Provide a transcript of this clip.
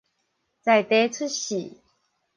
在地出世